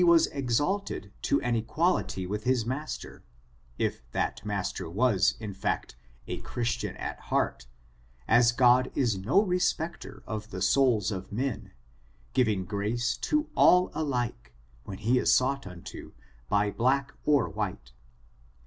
301 was exalted to an equality with his master, if that master was, in fact, a Christian at heart, as God is no respecter of the souls of men, giving grace to all alike, when he is sought unto, by black or white.